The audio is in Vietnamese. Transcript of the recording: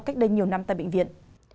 cách đây nhiều năm tại bệnh viện